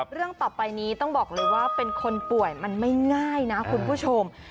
เรื่องต่อไปนี้ต้องบอกเลยว่าเป็นคนป่วยมันไม่ง่ายนะคุณผู้ชม